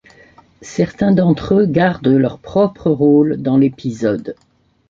Certains d'entre eux gardent leur propre rôle dans l'épisode.